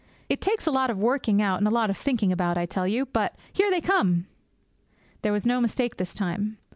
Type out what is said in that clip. It takes a lot of working out, and a lot of thinking about, I tell you. But here they come!' There was no mistake this time.